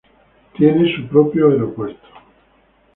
Tiene su propio aeropuerto.